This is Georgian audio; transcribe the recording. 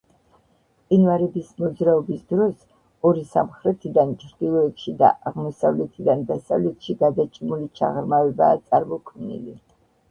მყინვარების მოძრაობის დროს ორი სამხრეთიდან ჩრდილოეთში და აღმოსავლეთიდან დასავლეთში გადაჭიმული ჩაღრმავებაა წარმოქმნილი.